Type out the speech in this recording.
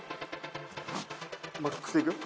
マックスでいくよ